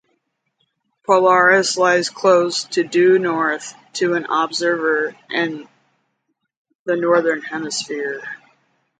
Polaris lies close to due north to an observer in the northern hemisphere.